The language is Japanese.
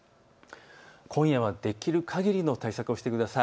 今夜はできるかぎりの対策をしてください。